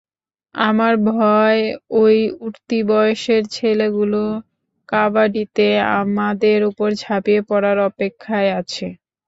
আমার ভয় ওই উঠতি বয়সের ছেলেগুলো কাবাডিতে আমাদের উপর ঝাঁপিয়ে পড়ার অপেক্ষায় আছে।